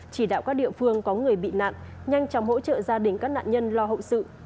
chỉ đạo các địa phương có người bị nạn nhanh chóng hỗ trợ gia đình các nạn nhân lo hậu sự